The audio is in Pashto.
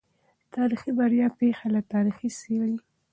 تاریخي برخه پېښه له تاریخه څېړي.